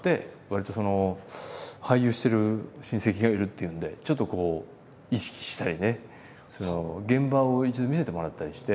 わりとその俳優してる親戚がいるっていうんでちょっとこう意識したりね俺見学させてもらったりして。